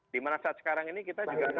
di mana saat sekarang ini kita juga dilahirkan